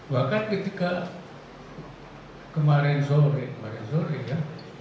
bahkan ketika kemarin sore kemarin sore ya